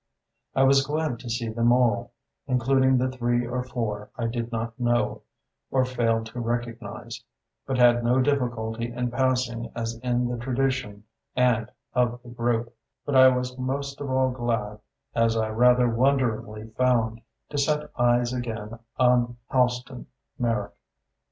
I was glad to see them all, including the three or four I did not know, or failed to recognize, but had no difficulty in passing as in the tradition and of the group; but I was most of all glad as I rather wonderingly found to set eyes again on Halston Merrick.